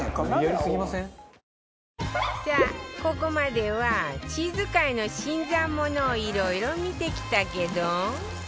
さあここまではチーズ界の新参者を色々見てきたけど